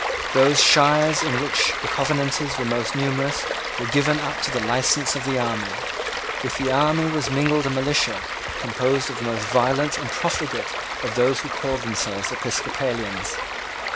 Those shires in which the Covenanters were most numerous were given up to the license of the army. With the army was mingled a militia, composed of the most violent and profligate of those who called themselves Episcopalians.